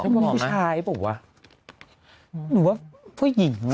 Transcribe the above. เขาบอกผู้ชายบอกว่าหนูว่าผู้หญิง